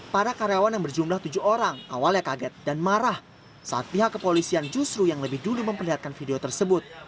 para karyawan yang berjumlah tujuh orang awalnya kaget dan marah saat pihak kepolisian justru yang lebih dulu memperlihatkan video tersebut